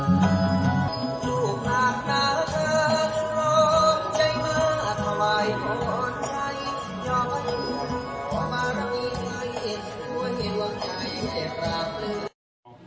สวัสดีทุกคน